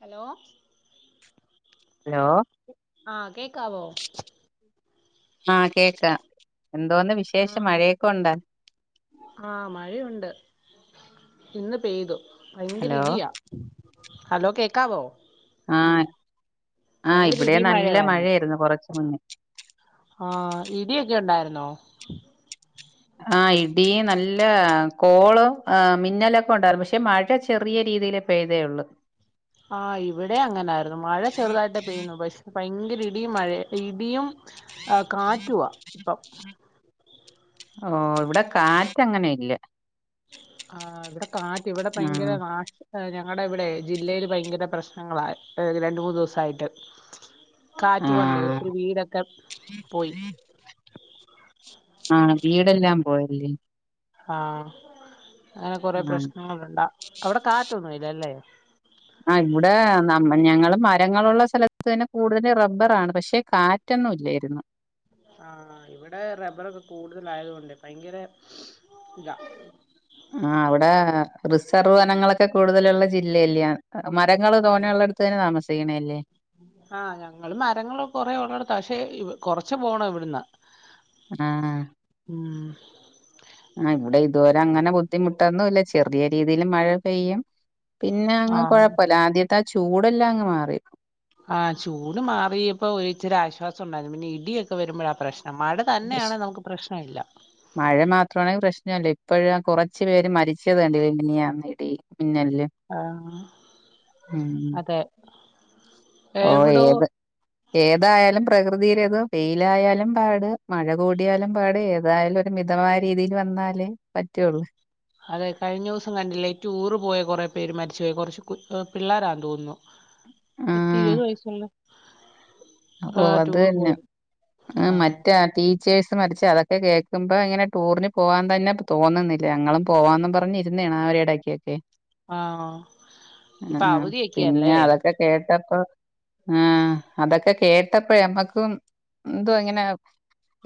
Hello hello ആഹ കേക്കാവോ ആഹ് കേക്കാം എന്തോന്ന് വിശേഷം ആഹ് മഴയൊക്കെ ഉണ്ടാ ആഹ് മഴയുണ്ട് ഇന്ന് പെയ്തു ഭയങ്കര ഹലോ ഇടിയാ ഹലോ കേക്കാവോ ആഹ് ആ ഭയങ്കര ഇവിടെ ഇടിയും നല്ല മഴയുമായിരുന്നു മഴായിരുന്നു കൊറച്ച് മുന്നേ ആഹ ഇടിക്കെ ണ്ടായിരുന്നോ ആ ഇടിയ നല്ല കോളും ആ മിന്നലൊക്കെ ഉണ്ടായിരുന്നു പക്ഷെ മഴ ചെറിയ രീതില് പെയ്തേ ഉള്ളൂ ആഹ് ഇവിടെ അങ്ങനൊയിരുന്നു മഴ ചെറുതായിട്ട് പെയ്യുന്നു പക്ഷെ ഭയങ്കര ഇടിയും മഴ ഇടിയും ആഹ് കാറ്റുവ ഇപ്പം ഓ ഇവിടെ കാറ്റ് അങ്ങനെ ഇല്ല ആഹ് ഇവിടെ കാറ്റ് ഇവിടെ ആഹ് ഭയങ്കര കാ ഞങ്ങടെ വിടെ ജില്ലയിൽ ഭയങ്കര പ്രശ്നങ്ങളായിഏ രണ്ട മൂന്ന് ദിവസായിട്ട്. കാറ്റു കൊണ്ടേ ആഹ് ഒത്തിരി വീടൊക്കെ പോയി ആഹ് വീടെല്ലാം പോയല്ലേ ആഹ് അങ്ങനെ കൊറെ ആഹ് പ്രശ്നങ്ങളുണ്ടാ അവിടെ കാറ്റൊന്നുംല്ലല്ലേ ആഹ് ഇവിടെ നമ്മ ഞങ്ങള് മരങ്ങളുള്ള സ്ഥലത്ത് തന്നെ കൂടുതൽ റബ്ബറ ആണ് പക്ഷെ കാറ്റ് കാറ്റൊന്നും ഇല്ലായിരുന്നു ആഹ്ഇവിടെ റബ്ബറൊക്കെ കൂടുതലയതൊണ്ടേ ഭയങ്കര ഇതാ ആഹ് അവിടെ റിസർവ് വനങ്ങളൊക്കെ കൂടുതലുള്ള ജില്ലയല്ലേ മരങ്ങള് തോന്നള്ളടുത്ത് തന്നെ താമസിക്കണേല്ലേ ആഹ് ഞങ്ങള് മരങ്ങള കൊറെഉള്ളടുത്ത പക്ഷെ കൊറച്ചു പോണ ഇവിടുന്ന് ആഹ് ഉം ആഹ് ഇവിടെ ഇതുവരെ അങ്ങനെ ബുദ്ധിമുട്ടൊന്നുംല്ല ചെറിയ രീതിൽ മഴ പെയ്യും പിന്നെ അങ്ങ് ആഹ് കൊഴപ്പില്ല ആദ്യത്തെ ആ ചൂടെല്ലാം അങ്ങ് മാറി. ആഹ് ചൂട് മാറിയപ്പോ ഒരിച്ചരി ആശ്വാസം ഉണ്ടായിരുന്നു പിന്നെ ഇടിയൊക്കെ വരുമ്പോഴ ആ പ്രശ്നം മഴ പക്ഷെ തന്നെയാണെ നമുക്ക് പ്രശ്നമില്ല മഴ മാത്രമാണെങ്കിൽ പ്രശ്നല്ല ഇപ്പോഴും കുറച്ചു പേര് മരിച്ചത് കണ്ടില്ലെമിനിയാന്ന് ഇടി. മിന്നല്ല് ആഹ് ഉ അതെ ഓ എവിടോ ഏത് ഏതായാലും പ്രകൃതിയിലേത് വെയിലായാലും പാട് മഴ കൂടിയാലും പാട് ഏതായാലും മിതമായ രീതിയിൽ വന്നാലേ പറ്റുള്ളൂ അതെ കഴിഞ്ഞ ദി വസം കണ്ടില്ലേ റ്റൂ റ് പോയ കുറേ പേര് മരിച്ചു പോയി കുറച്ച് കു പിള്ളേരാ തോന്നുന്നു. [inaudible] ആഹ് പത്തിരവത് വയസുള്ള ഓ അത് പോയത് തന്നെ ആ ആഹ് മറ്റേ ടി ടിച്ചേഴ്സ് മരച്ച് അതൊക്കെ കേൾക്കുമ്പോൾ ഇങ്ങെ ടൂറിന് പോകാൻ തന്നെ തോന്നുന്നില്ല ഞങ്ങളും പോവാന്ന് പറഞ്ഞ ഇരുന്നതാണ് ആ ഒരു ഇടക്കൊക്കെ ആഹ് ആ ഇപ്പൊ ഹ്പിന്നെ അവധിയൊക്കെയല്ലേ അതൊക്കെ കേട്ടപ്പോ ആ അതൊക്കെ കേട്ടപ്പളേ നമ്മക്കും എന്തോ ഇങ്ങനെ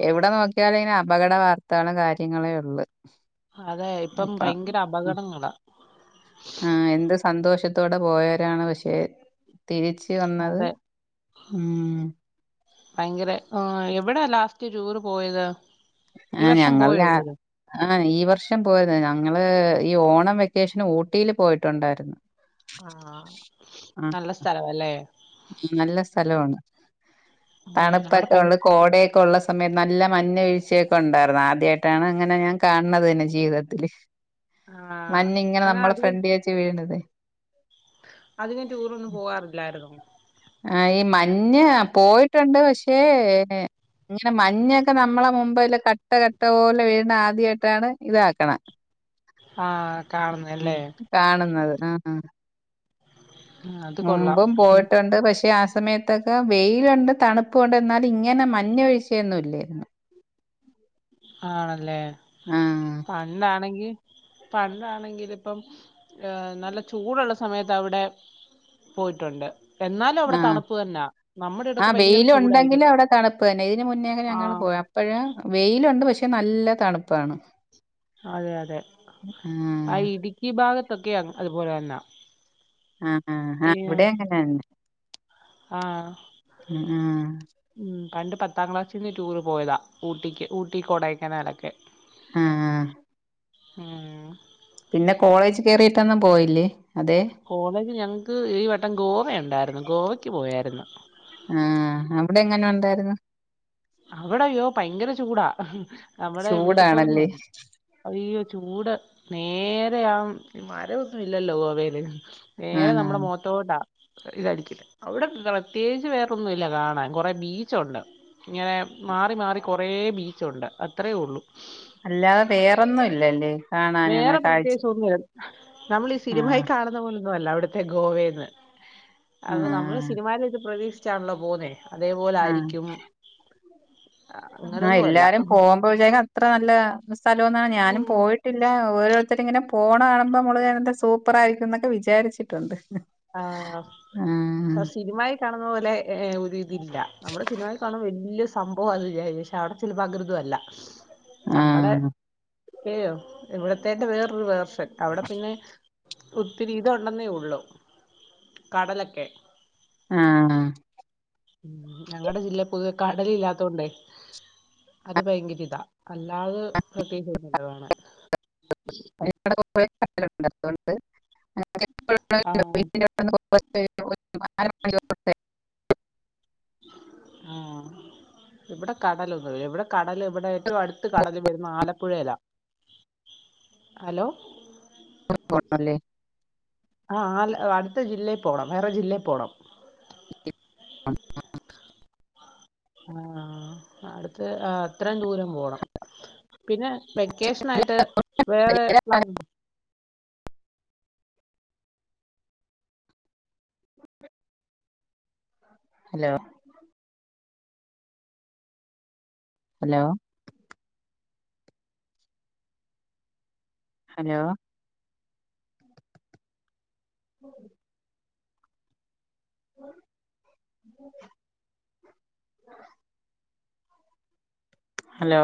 എവിടെ നോക്കിയാലും ഇവടെ അപകട വാർത്തകളും കാര്യങ്ങളേ ഉള്ളു അതെ ഇപ്പം അപ്പ ഭയങ്കര അപകടങ്ങളാ. ആഹ് എന്ത് സന്തോഷത്തോടെ പോയവരാണ് പക്ഷെ തിരിച്ച് വന്നത്. അതെ ഉം. ഭയങ്കര ആ എവിടാ ലാസ്റ്റ് ടൂറ് പോയത്. ഈ ആഹ് വർഷം ഞങ്ങള് പോയോ രാ എവിടേലും ആഹ് ഈ വർഷം പോയിരുന്നു ഞങ്ങള് ഈ ഓണം വെക്കേഷന് ഊട്ടിയില് പോയിട്ടുണ്ടായിരുന്നു. ആഹ് നല്ല സ്ഥലവല്ലേ. ഉം നല്ല സ്ഥലവാണ് ഉം അവിടെ തണുപ്പൊക്കെ ഭയ ഉള്ള കോടയെ ക്കൊള്ള സമയത് നല്ല മഞ്ഞ വീഴ്ചയൊക്കെ ഉണ്ടായിരുന്നു ആദ്യായിട്ടാണ് ഇങ്ങനെ ഞാൻ കാൺണത് തന്നെ ജീവിതത്തില്. ആഹ് മഞ്ഞിങ്ങനെ അങ്ങനെ നമ്മളെ അധികം ഫ്രണ്ടി വെച്ച് വീഴ്ണത്. അധികം ടൂറൊന്നും പോവാറില്ലായിരുന്നു. ആ ഈ മഞ്ഞ് പോയിട്ടുണ്ട് പക്ഷേ. ഇങ്ങനെ മഞ്ഞൊക്കെ നമ്മളെ മുമ്പേല് കട്ട കട്ട പോലെ വീഴ്ണെ ആദ്യായിട്ടാണ് ഇതാക്ക്ണ്. ആഹ് കാണുന്നേ അല്ലേ. കാണുന്നത് ആഹ് ആഹ്. ഉം, അത് കൊള്ളാം മുമ്പും ഉം പോയിട്ടുണ്ട് പക്ഷെ ആ സമയത്തൊക്കെ വെയിലുണ്ട് തണുപ്പൂണ്ട് എന്നാലും ഇങ്ങനെ മഞ്ഞ്വീഴ്ച്ചയൊന്നും ഇല്ലായിരുന്നു. ആണല്ലേ. ആഹ്. പണ്ടാണെങ്കി പണ്ടാണെങ്കിലിപ്പം. ഏഹ് നല്ല ചൂടുള്ള സമയത്തവിടെ പോയിട്ടുണ്ട്. എന്നാലും അവിടെ ആഹ് തണുപ്പ് തന്നാ നമ്മുടെ ആ ഇവിടൊക്കെ ഭയങ്കര ചൂടായിരിക്കും വെയിലൊണ്ടെങ്കിലും അവിടെ തണുപ്പ് തന്നെ ഇതിന് മുന്നേക്കെ ഞങ്ങള് ആഹ് പോയ പ്പഴ് വെയിലുണ്ട് പക്ഷെ നല്ല തണ്പ്പാണ്. അതെ അതെ ആ ആഹ് ഇടുക്കി ഭാഗത്തൊക്കെയാ അ അതുപോലെ തന്നാ. ആഹ ആഹ് ഈ ആഹ് ഇവിടെ അങ്ങനെന്നേ. ആഹ്. ഉം പണ്ട് പത്താം ക്ലാസ്സിന്ന് ടൂറ് പോയതാ ഊട്ടിക്ക് ഊട്ടി കൊടൈക്കനാലൊക്കെ. ആഹ് ആഹ്. ഉം. പിന്നെ കോളേജ് കേറീട്ടൊന്നും പോയില്ലേ അതെ. കോളേജ് ഞങ്ങക്ക് ഈ വട്ടം ഗോവ ഒണ്ടായിരുന്നു ഗോവക്ക് പോയായിരുന്നു. ആഹ് അവിടെങ്ങനെ ഉണ്ടായിരുന്നു. അവിടയ്യോ ഭയങ്കര ചൂടാ നമ്മടെ ഇവിട്ത്തെ പോലൊന്നും ചൂടാണല്ലേ അല്ല. അയ്യോ ചൂട് നേരയാ മരവൊന്നും ഇല്ലല്ലോ ഗോവേല്. നേരെ ആഹ് നമ്മളെ മോ ട്ടോണ്ടാ ഇതായിരിക്കില്ല അവിടെ ത പ്രത്യേകിച്ച് വേറൊന്നും ഇല്ല കാണാൻ കൊറെ ബീച്ചുണ്ട്. ഇങ്ങനെ മാറി മാറി കൊറേ ബീച്ചുണ്ട് അത്രയേ ഒള്ളു. അല്ലാതെ വേറെന്നും ഇല്ലല്ലേ. കാണാനും വേറെ അങ്ങനെ കാഴ്ച പ്രത്യേകിച്ച് ഒന്നൂല്ല നമ്മളീ സിനിമയിൽ ആഹ് കാണു ന്ന പോലൊന്നു അല്ല അവിടുത്തെ ഗോവേന്ന് അത് നമ്മള് ആഹ് സിനിമായിലേത് പ്രതീക്ഷിച്ചാണല്ലോ പോന്നേ. ആഹ് അതേപോലായിരിക്ക്യും. ആഹ് എല്ലാരും പോകുമ്പോ വിചാര്ക്കും അത്ര നല്ല സ്ഥലോന്നാ ഞാനും ഉം പോയിട്ടില്ല ഓരോരു ത്തരിങ്ങനെ പോണ കാണുമ്പമ്മള് എന്ത സൂപ്പറായിരിക്കുംന്നൊക്കെ വിചാരിച്ചിട്ടുണ്ട്. ആഹ് ആഹ് സിനിമയി കാണുന്ന പോലെ ഏഹ് ഒരിതില്ല. നമ്മള് സിനിമയി കാണുമ്പോ വല്ല്യാ സംഭവാന്ന് വിചാരിക്കും. പക്ഷെ അവിടെ ചെല്ലുമ്പോ അങ്ങനൊന്നു അല്ല. നമ്മടെ ആഹ് [unintelligible] ഇവിടത്തേന്റെ വേറൊരു വേർഷൻ അവിടെ പിന്നെ ഒത്തിരി ഇതൊണ്ടെന്നേയൊള്ളൂ. കടലെക്കെ. ആഹ് ഉം ഞങ്ങടെ ജില്ലേ പൊതുവെ കടലില്ലാത്തോണ്ടേ അത് ഭയങ്കര ഇതാ. അല്ലാതെ പ്രത്യേകിച്ചൊന്നൂല്ല കാണാൻ. [unintelligible] കൊറേ കടലുണ്ട് അതോണ്ട് ആഹ്. [unintelligible] [inaudible] ആഹ്. ഇവടെ കടലൊന്നും ഇല്ല. ഇവടെ കടൽ ഇവടെ ഏറ്റവും അടുത്ത് കടൽ വരുന്ന ആലപ്പുഴേല്ലാ. ഹലോ? [unintelligible] ആഹ് അൽ അടുത്ത ജില്ലേ പോണം വേറെ ജില്ലേ പോണം. ആഹ് [unintelligible] ആഹ് അടുത്ത് ആഹ് അത്രേം ദൂരം പോണം. പിന്നെ വെക്കേഷൻ ആയിട്ട് വേറെ പ്ലാനൊന്നും ഹലോ ഹലോ ഹലോ [unintelligible] ഉ ഹലോ